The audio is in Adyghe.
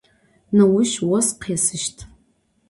Nêuş vos khêsışt.